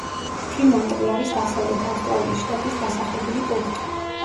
ფრიმანტლი არის დასავლეთ ავსტრალიის შტატის დასახლებული პუნქტი.